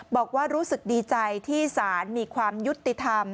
บอกว่ารู้สึกดีใจที่ศาลมีความยุติธรรม